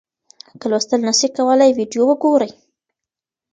که لوستل نسئ کولای ویډیو وګورئ.